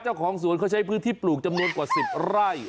เจ้าของสวนเขาใช้พื้นที่ปลูกจำนวนกว่า๑๐ไร่